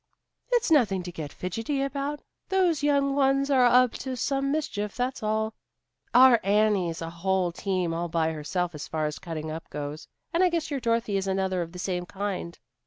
"It's nothing to get fidgety about. Those young ones are up to some mischief, that's all. Our Annie's a whole team all by herself as far as cutting up goes, and I guess your Dorothy is another of the same kind."